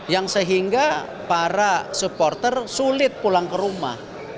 yang sehingga para supporter sulit pulang ke rumah